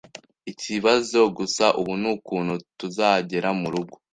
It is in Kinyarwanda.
Ikibazo gusa ubu nukuntu tuzagera murugo.